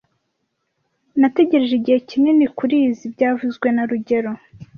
Nategereje igihe kinini kurizoi byavuzwe na rugero